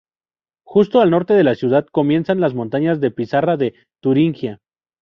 Justo al norte de la ciudad comienzan las montañas de pizarra de Turingia.